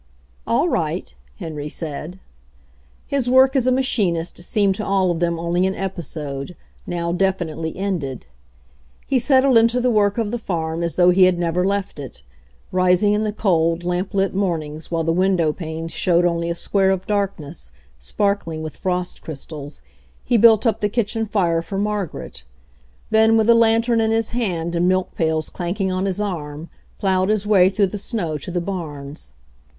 "All right/' HeWy saijj. His work as a machinist seemed to all of them only an episode, no\tf definitely ended. He settled into the Work of the farm as though he had never left it. Rising in the cold, lamp lit mornings while the window panes showed only a square of darkness, sparkling with frost crys tals, he built up the kitchen fire for Margaret. Then, with a lantern in his hand and milk pails clanking on his arm, plowed his way through the snow to the barns.